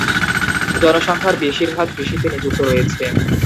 জনসংখ্যার বেশিরভাগ কৃষিতে নিযুক্ত রয়েছে।